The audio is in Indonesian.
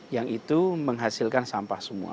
yang itu menghasilkan sampah semua